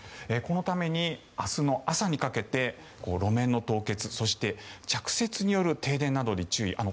このために明日の朝にかけて路面の凍結そして着雪による停電などに注意。